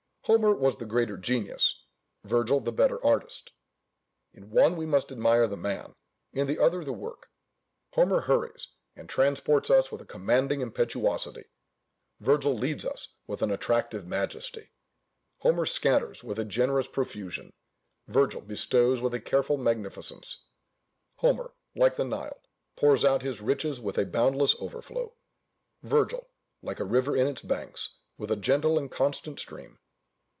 Homer was the greater genius, Virgil the better artist. In one we most admire the man, in the other the work. Homer hurries and transports us with a commanding impetuosity; Virgil leads us with an attractive majesty; Homer scatters with a generous profusion; Virgil bestows with a careful magnificence; Homer, like the Nile, pours out his riches with a boundless overflow; Virgil, like a river in its banks, with a gentle and constant stream.